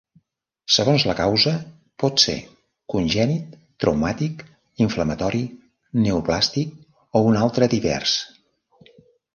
Segons la causa, pot ser congènit, traumàtic, inflamatori, neoplàstic o un altre divers.